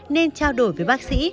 nên trao đổi với bác sĩ